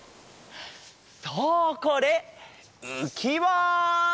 そうこれうきわ！